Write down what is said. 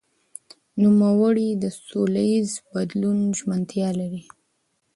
نوموړي د سولهییز بدلون ژمنتیا لري.